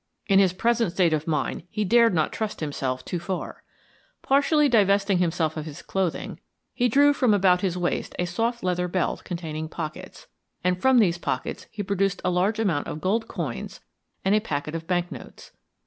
In his present state of mind he dared not trust himself too far. Partially divesting himself of his clothing he drew from about his waist a soft leather belt containing pockets, and from these pockets he produced a large amount of gold coins and a packet of banknotes.